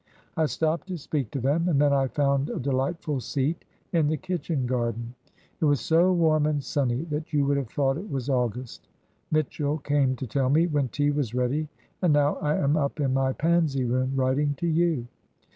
I stopped to speak to them, and then I found a delightful seat in the kitchen garden. It was so warm and sunny that you would have thought it was August. Mitchell came to tell me when tea was ready, and now I am up in my Pansy Room, writing to you.